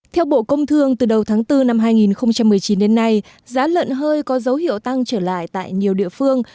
theo bộ công thương từ đầu tháng bốn năm hai nghìn một mươi chín đến nay giá lợn hơi có dấu hiệu tăng trở lại tại nhiều địa phương